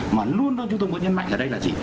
mà luôn thôi chúng tôi muốn nhấn mạnh là đây là gì